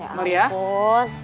amalia ya ampun